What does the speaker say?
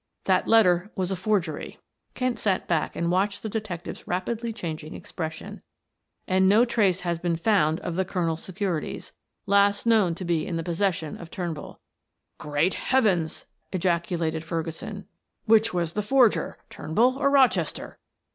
"That letter was a forgery." Kent sat back and watched the detective's rapidly changing expression. "And no trace has been found of the Colonel's securities, last known to be in the possession of Turnbull." "Great heavens!" ejaculated Ferguson. "Which was the forger Turnbull or Rochester?"